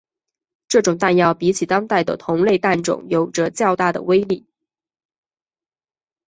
这种弹药比起当代的同类弹种有着较大的威力。